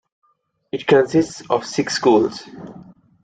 It consists of six schools.